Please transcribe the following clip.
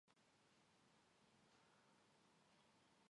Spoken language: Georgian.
სუბტროპიკული და ტროპიკული ხეები და ბუჩქებია.